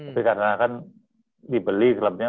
tapi karena kan dibeli klubnya